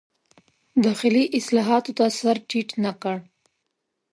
داخلي اصلاحاتو ته سر ټیټ نه کړ.